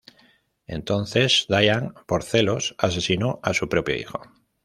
Entonces Dian, por celos, asesinó a su propio hijo.